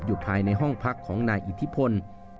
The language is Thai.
อยู่ภายในห้องพักของนายอิทธิพล